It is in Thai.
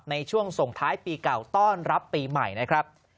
ในช่วงส่งท้ายปีเก่าต้อนรับปีใหม่นะครับ